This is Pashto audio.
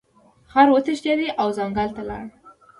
خر وتښتید او ځنګل ته لاړ.